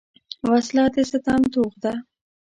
وسله د ستم توغ ده